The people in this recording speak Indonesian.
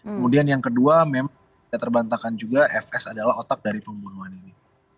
kemudian yang kedua memang tidak terbantahkan juga fs adalah otak dari pembunuhan ini